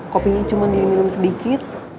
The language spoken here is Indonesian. kopinya cuma diminum sedikit